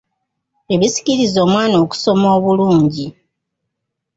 Ebisikiriza omwana okusoma obulungi.